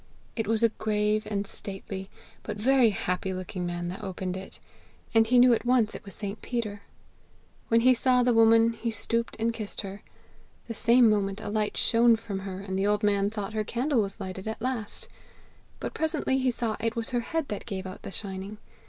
It was a grave and stately, but very happy looking man that opened it, and he knew at once it was St. Peter. When he saw the woman, he stooped and kissed her. The same moment a light shone from her, and the old man thought her candle was lighted at last; but presently he saw it was her head that gave out the shining.